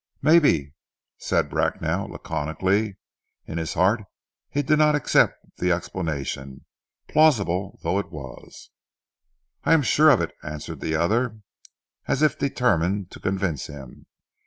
"Maybe!" said Bracknell laconically. In his heart he did not accept the explanation, plausible though it was. "I am sure of it," answered the other, as if determined to convince him.